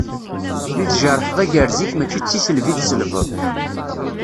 Mi tjerḥeḍ agrez-ik mačči d tisselbi i tselbeḍ.